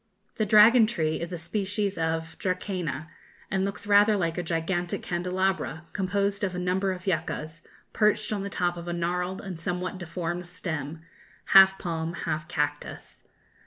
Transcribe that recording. The dragon tree is a species of dracæna, and looks rather like a gigantic candelabra, composed of a number of yuccas, perched on the top of a gnarled and somewhat deformed stem, half palm half cactus.